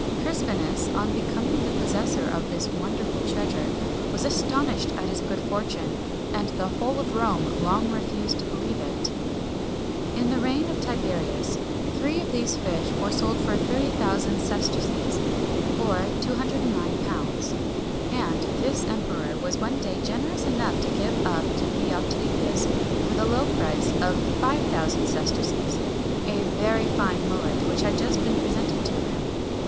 Crispinus, on becoming the possessor of this wonderful treasure, was astonished at his good fortune, and the whole of Rome long refused to believe it. In the reign of Tiberius, three of these fish were sold for 30,000 sesterces,[XXI 50] or £209 9_s._ 8_d._; and this emperor was one day generous enough to give up to P. Octavius, for the low price of 5,000 sesterces, a very fine mullet which had just been presented to him.